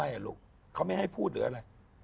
อ่ะลูกเขาไม่ให้พูดหรืออะไร